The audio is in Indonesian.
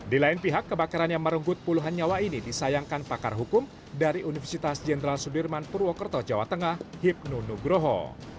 di lain pihak kebakaran yang merenggut puluhan nyawa ini disayangkan pakar hukum dari universitas jenderal sudirman purwokerto jawa tengah hipnu nugroho